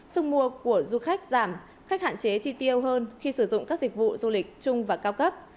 sức mua của du khách giảm khách hạn chế chi tiêu hơn khi sử dụng các dịch vụ du lịch chung và cao cấp